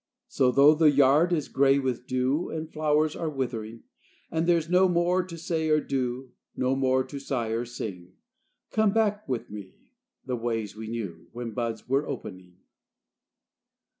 So 'though the yard is gray with dew, And flowers are withering, And there's no more to say or do, No more to sigh or sing, Come back with me the ways we knew When buds were opening.